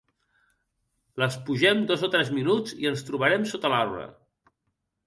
Les pugem dos o tres minuts i ens trobarem sota l'arbre.